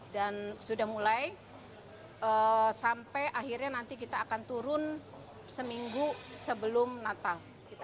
dan sudah mulai sampai akhirnya nanti kita akan turun seminggu sebelum natal